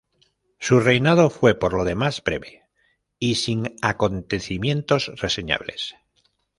Su reinado fue por lo demás breve y sin acontecimientos reseñables.